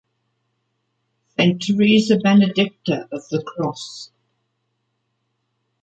Saint Teresa Benedicta of the Cross.